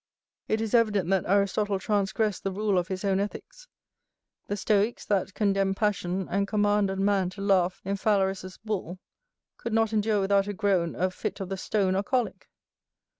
It is evident that Aristotle transgressed the rule of his own ethicks; the stoicks, that condemn passion, and command a man to laugh in Phalaris's bull, could not endure without a groan a fit of the stone or colick.